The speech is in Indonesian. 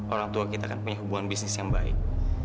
orang tua kita kan punya hubungan bisnis yang baik